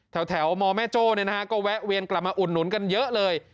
แถวมแม่โจ้ก็แวะเวียนกลับมาอุดหนุนกันเยอะเลย